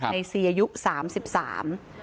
ในซีอายุสามสิบสาม